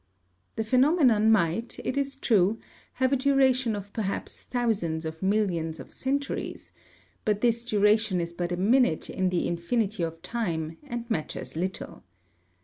The phenomenon might, it is true, have a duration of perhaps thousands of millions of centuries, but this duration is but a minute in the infinity of time, and matters little.